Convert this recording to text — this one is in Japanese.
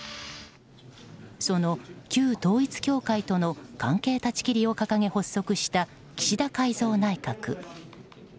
その旧統一教会との関係断ち切りを掲げ発足した岸田改造内閣。